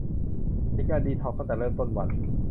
เป็นการดีท็อกซ์ตั้งแต่เริ่มต้นวัน